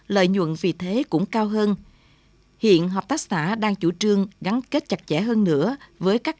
lợi nhuận vì thế cũng cao hơn hiện hợp tác xã đang chủ trương gắn kết chặt chẽ hơn nữa với các